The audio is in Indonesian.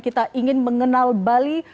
kita ingin mengenal bali